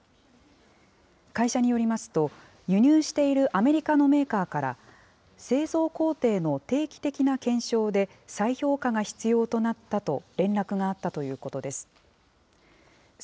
会社によりますと、輸入しているアメリカのメーカーから、製造工程の定期的な検証で再評価が必要になったと連絡があったということです。